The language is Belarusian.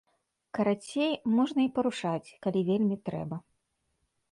Карацей, можна і парушаць, калі вельмі трэба.